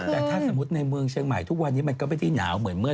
แต่ถ้าสมมุติในเมืองเชียงใหม่ทุกวันนี้มันก็ไม่ได้หนาวเหมือนเมื่อ